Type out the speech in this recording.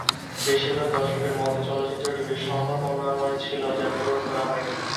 বেশিরভাগ দর্শকের মতে চলচ্চিত্রটি বেশ সম্ভাবনাময় ছিল, যা পূরণ করা হয়নি।